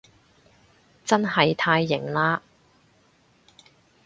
真係太型喇